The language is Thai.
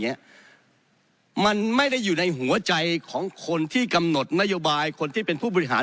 เนี่ยมันไม่ได้อยู่ในหัวใจของคนที่กำหนดนโยบายคนที่เป็นผู้บริหาร